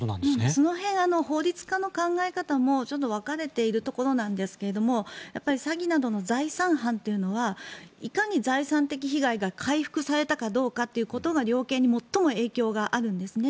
その辺、法律家の考え方もちょっと分かれているところなんですが詐欺などの財産犯というのはいかに財産的被害が回復されたかどうかが量刑に最も影響があるんですね。